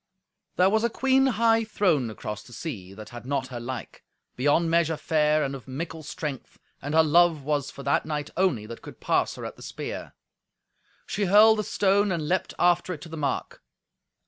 There was a queen high throned across the sea, that had not her like, beyond measure fair and of mickle strength, and her love was for that knight only that could pass her at the spear. She hurled the stone and leapt after it to the mark.